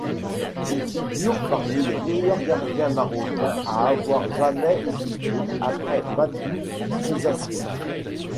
Il figure parmi les meilleurs gardiens marocains à avoir jamais existé après Badou Ezzaki.